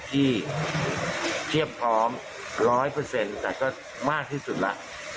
เทียบพร้อม๑๐๐แต่ก็มากที่สุดแล้ว